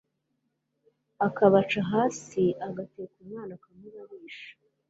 akabaca hasi Agateka umwana akamubarisha